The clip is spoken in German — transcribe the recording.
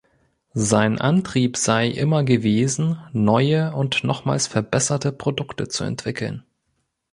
Sein Antrieb sei immer gewesen, neue und nochmals verbesserte Produkte zu entwickeln.